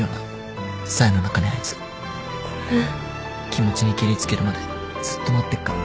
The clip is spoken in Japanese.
気持ちにけりつけるまでずっと待ってっから。